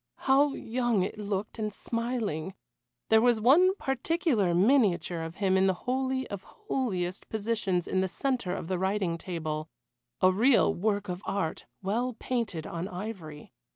How young it looked and smiling! There was one particular miniature of him in the holy of holiest positions in the centre of the writing table a real work of art, well painted on ivory.